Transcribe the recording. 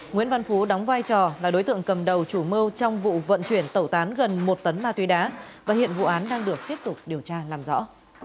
nguyễn văn phú đóng vai trò là đối tượng cầm đầu chủ mưu trong vụ vận chuyển tẩu tán gần một tấn ma túy đá và hiện vụ án đang được tiếp tục điều tra làm rõ